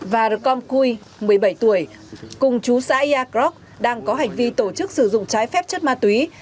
và rcom kui một mươi bảy tuổi cùng chú xã iacroc đang có hành vi tổ chức sử dụng trái phép chất ma túy